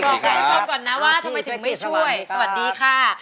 ก่อนไหลส้มก่อนนะว่าทำไมถึงไม่ช่วย